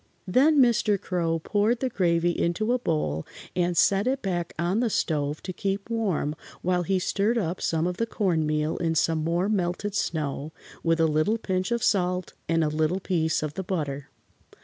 Then Mr. Crow poured the gravy into a bowl and set it back on the stove to keep warm while he stirred up some of the cornmeal in some more melted snow, with a little pinch of salt and a little piece of the butter.